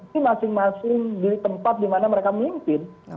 di masing masing tempat di mana mereka memimpin